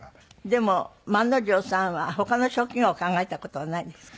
でも万之丞さんは他の職業を考えた事はないですか？